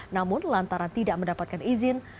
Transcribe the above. namun lantaran tidak mendapatkan izin